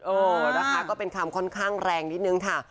เออนะคะก็เป็นคำค่อนข้างแรงนิดนึงค่ะ